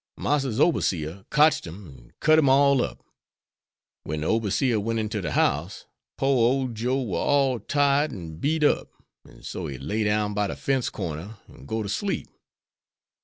Massa's oberseer kotched him an' cut him all up. When de oberseer went inter de house, pore old Joe war all tired an' beat up, an' so he lay down by de fence corner and go ter sleep.